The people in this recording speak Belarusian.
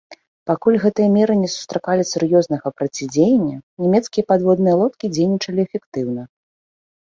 Пакуль гэтыя меры не сустракалі сур'ёзнага процідзеяння, нямецкія падводныя лодкі дзейнічалі эфектыўна.